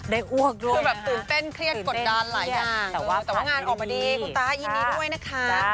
ได้อ้วกด้วยนะฮะตื่นเต้นกดดันหลายอย่างแต่ว่างานออกมาดีคุณต้ายินดีด้วยนะครับ